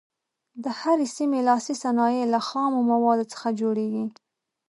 د هرې سیمې لاسي صنایع له خامو موادو څخه جوړیږي.